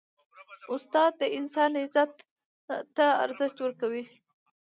استاد د انسان عزت ته ارزښت ورکوي.